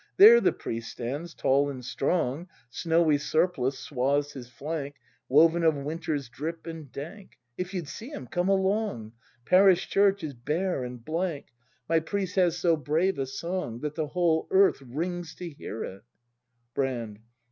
There the priest stands, tall and strong; Snowy surplice swathes his flank, Woven of winter's drip and dank. If you'd see him, come along; Parish church is bare and blank; My priest has so brave a song, That the whole earth rings to hear it. Brand.